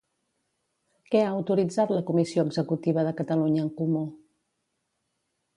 Què ha autoritzat la Comissió Executiva de Catalunya en Comú?